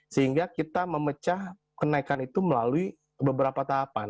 sehingga kita memecah kenaikan itu melalui beberapa tahapan